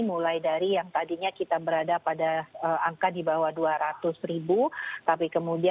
mulai dari yang tadinya kita berada pada angka di bawah dua ratus ribu